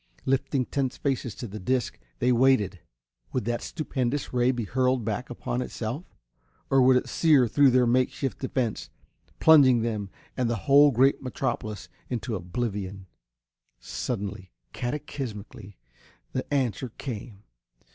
Lifting tense faces to the disc, they waited. Would that stupendous ray be hurled back upon itself? Or would it sear through their makeshift defense, plunging them and the whole great metropolis into oblivion? Suddenly, cataclysmically, the answer came.